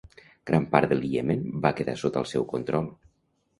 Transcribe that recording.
Gran part del Iemen va quedar sota el seu control.